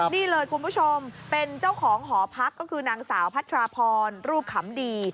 นี่เลยคุณผู้ชมเป็นเจ้าของหอพักก็คือนางสาวพัทราพรรูปขำดี